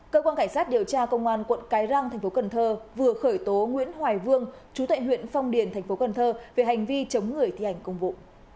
cơ quan cảnh sát điều tra công an quận cái răng tp cn vừa khởi tố nguyễn hoài vương chú tệ huyện phong điền tp cn về hành vi chống người thi hành công vụ